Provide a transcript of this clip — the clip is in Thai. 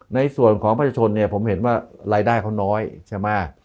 ในส่วนของประชาชนเนี่ยผมเห็นว่ารายได้เขาน้อยใช่ไหม